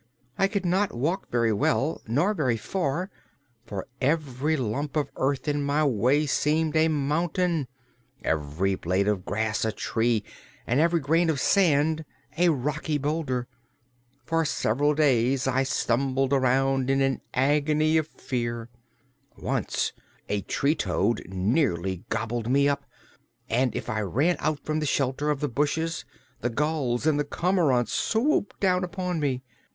I could not walk very well nor very far, for every lump of earth in my way seemed a mountain, every blade of grass a tree and every grain of sand a rocky boulder. For several days I stumbled around in an agony of fear. Once a tree toad nearly gobbled me up, and if I ran out from the shelter of the bushes the gulls and cormorants swooped down upon me.